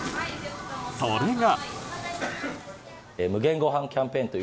それが。